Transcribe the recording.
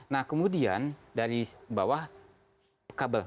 nah kemudian dari bawah kabel